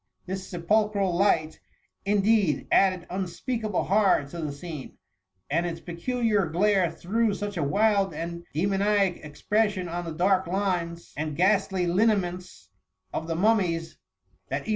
This sepulchral light, in deed, added unspeakable horror to the scene, and its peculiar glare threw such a wild and demoniac expression on the dark lines and ghastly lineaments of the mummies, that evea S14 THE MCMMY.